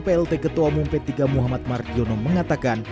plt ketua umum p tiga muhammad mardiono mengatakan